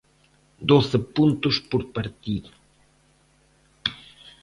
Doce puntos por partido.